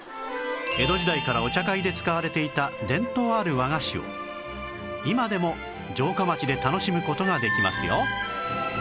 江戸時代からお茶会で使われていた伝統ある和菓子を今でも城下町で楽しむ事ができますよ